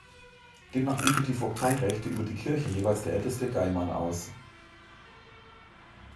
Demnach übte die Vogteirechte über die Kirche jeweils der älteste Geymann aus.